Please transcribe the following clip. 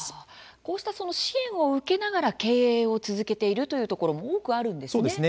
こうした支援を受けながら経営を続けているというところも多くあるんですね。